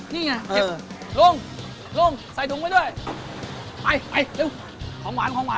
นี่ไงเก็บลุงลุงใส่ถุงไว้ด้วยไปไปเร็วของหวานของหวาน